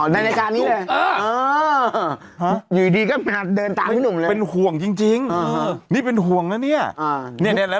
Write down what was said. อ๋อในรายการนี้เลย